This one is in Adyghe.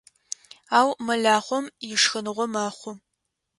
Ау мэлахъом ишхыныгъо мэхъу.